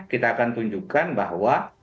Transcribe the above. kita akan tunjukkan bahwa